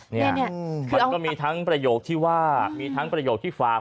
เนี่ยมันก็มีทั้งประโยคที่ว่ามีทั้งประโยคที่ฝาก